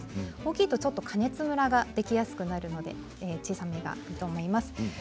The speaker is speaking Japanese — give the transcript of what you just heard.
大きいとちょっと加熱ムラができやすくなるので小さめがいいと思います。